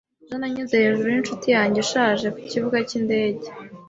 Ejo nanyuze hejuru yinshuti yanjye ishaje kukibuga cyindege.